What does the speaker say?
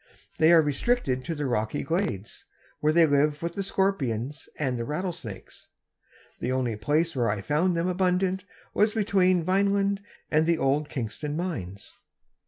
They are restricted to the rocky glades, where they live with the scorpions and the rattlesnakes. The only place where I found them abundant was between Vineland and the old Kingston mines.